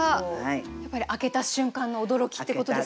やっぱり開けた瞬間の驚きってことですね。